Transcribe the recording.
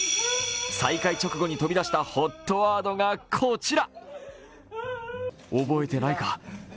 再会直後に飛び出したＨＯＴワードがこちら。